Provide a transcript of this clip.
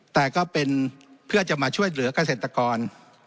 แต่ก็เป็นเพื่อจะมาช่วยเหลือกเกษตรกร